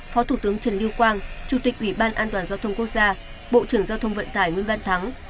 phó thủ tướng trần lưu quang chủ tịch ủy ban an toàn giao thông quốc gia bộ trưởng giao thông vận tải nguyễn văn thắng